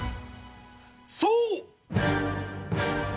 そう。